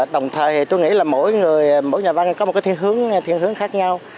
đồng thời tôi nghĩ là mỗi nhà văn có một thiên hướng khác nhau